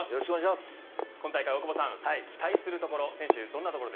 今大会、大久保さん期待するところ